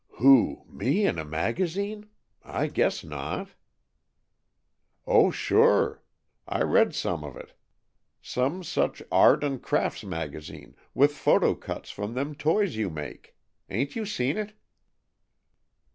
"Who, me in a magazine? I guess not." "Oh, sure! I read some of it. Some such Art and Crafts magazine, with photo cuts from them toys you make. Ain't you seen it?"